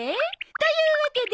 というわけで。